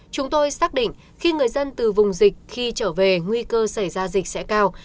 chúng tôi xác định khi người dân từ vùng dịch khi trở về nguy cơ xảy ra dịch sẽ cao